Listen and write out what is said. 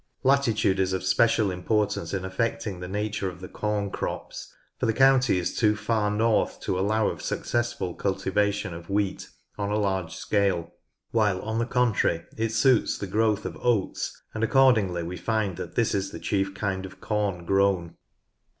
Latitude is of special importance in affecting the nature of the corn crops, for the county is too far north to allow of successful cultivation of wheat on a large scale, while on the contrary it suits the growth of oats, and accordingly we find that this is the chief kind of corn grown.